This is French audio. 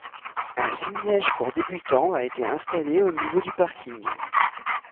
Un fil-neige pour débutants a été installé au niveau du parking.